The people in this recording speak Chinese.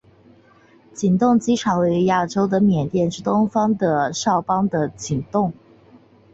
景栋机场位于亚洲的缅甸之东方的掸邦的景栋。